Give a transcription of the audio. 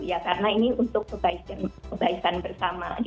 ya karena ini untuk kebaikan bersama